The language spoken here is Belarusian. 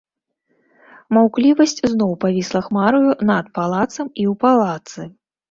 Маўклівасць зноў павісла хмараю над палацам і ў палацы.